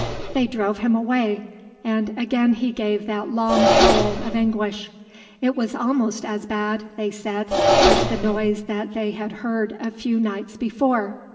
They drove him away and again he gave that long howl of anguish. It was almost as bad, they said, as the noise that they had heard a few nights before.